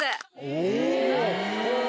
お！